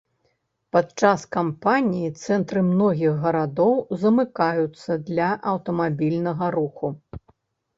Падчас кампаніі цэнтры многіх гарадоў замыкаюцца для аўтамабільнага руху.